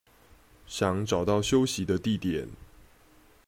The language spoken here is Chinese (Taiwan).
想找到休息的地點